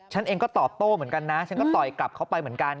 ฉันเองก็ตอบโต้เหมือนกันนะฉันก็ต่อยกลับเข้าไปเหมือนกัน